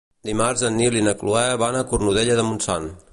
Dimarts en Nil i na Cloè van a Cornudella de Montsant.